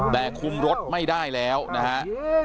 แต่คุมรถไม่ได้แล้วนะฮะ